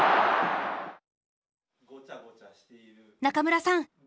中村さん